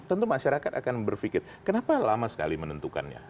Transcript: tentu masyarakat akan berpikir kenapa lama sekali menentukannya